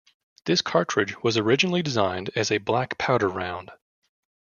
This cartridge was originally designed as a black powder round.